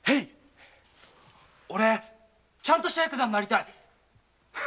おれちゃんとしたヤクザになりたい。